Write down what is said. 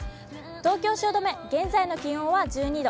東京・汐留、現在の気温は１２度。